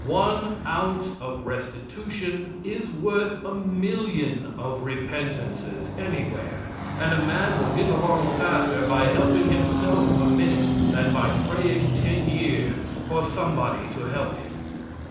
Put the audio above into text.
One ounce of restitution is worth a million of repentances anywhere, and a man will get along faster by helping himself a minute than by praying ten years for somebody to help him.